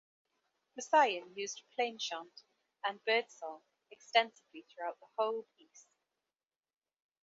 Messiaen used plainchant and birdsong extensively throughout the whole piece.